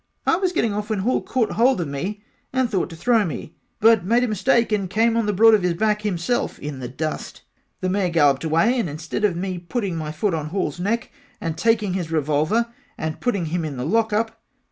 I was getting off when Hall caught hold of me and thought to throw me but made a mistake and came on the broad of his back himself in the dust the mare galloped away and instead of me putting my foot on Halls neck and taking his revolver and putting him in the lock up.